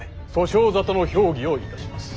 訴訟沙汰の評議をいたします。